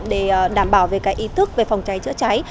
để đảm bảo về cái ý thức về phòng cháy chữa cháy